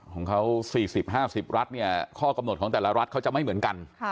ของเขา๔๐๕๐รัฐเนี่ยข้อกำหนดของแต่ละรัฐเขาจะไม่เหมือนกัน